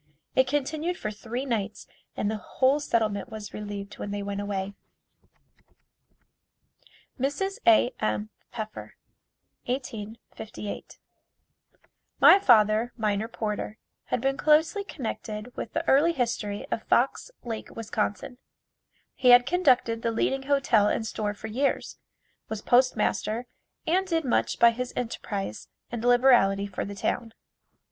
It continued for three nights and the whole settlement was relieved when they went away. Mrs. A. M. Pfeffer 1858. My father, Miner Porter had been closely connected with the early history of Fox Lake, Wis. He had conducted the leading hotel and store for years, was Postmaster, and did much by his enterprise and liberality for the town.